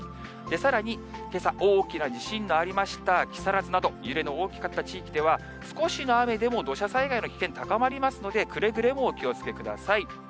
さらに、けさ大きな地震のありました木更津など、揺れの大きかった地域では、少しの雨でも土砂災害の危険、高まりますので、くれぐれもお気をつけください。